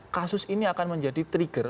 kasus ini akan menjadi trigger